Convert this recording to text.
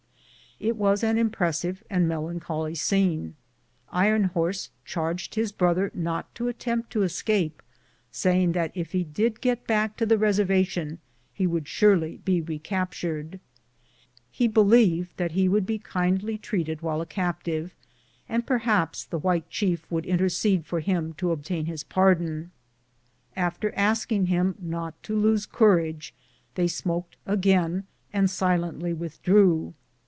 It was an impressive and melancholy scene. Iron Horse charged his brother not to attempt to escape, saying, that if he did get back to the reservation ho would surely be recaptured. He believed that he would be kindly treated while a captive, and perhaps the white chief would intercede for him to obtain his pardon. After asking him not to lose courage, they smoked again, and silently withdrew.